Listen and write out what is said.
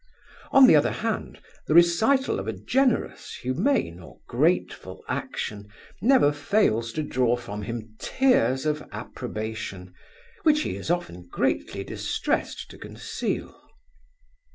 On the other hand, the recital of a generous, humane, or grateful action, never fails to draw from him tears of approbation, which he is often greatly distressed to conceal.